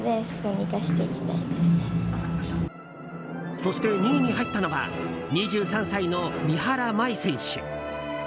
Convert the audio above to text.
そして２位に入ったのは２３歳の三原舞依選手。